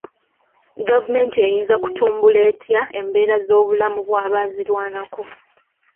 Gavumenti eyinza kutumbukla etya embera z'obulamu bw'abaazirwanako?